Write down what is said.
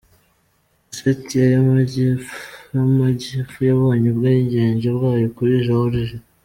Ossetia y’amajyepfo yabonye ubwigenge bwayo kuri Georgia.